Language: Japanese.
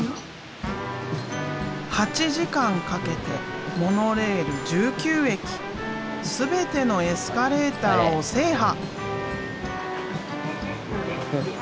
８時間かけてモノレール１９駅全てのエスカレーターを制覇！